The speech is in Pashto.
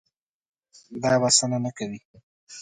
دا بسنه نه کوي.